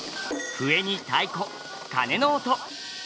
笛に太鼓鉦の音！